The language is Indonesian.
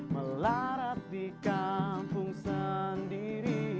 melarat di kampung sendiri